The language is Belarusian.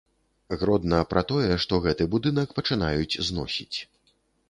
Гродна пра тое, што гэты будынак пачынаюць зносіць.